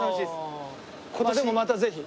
でもまたぜひ。